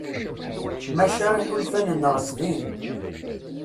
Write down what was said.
Maca iḥulfan-nneɣ zdin.